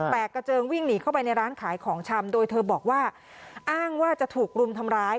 กระเจิงวิ่งหนีเข้าไปในร้านขายของชำโดยเธอบอกว่าอ้างว่าจะถูกรุมทำร้าย